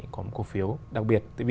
có một cổ phiếu đặc biệt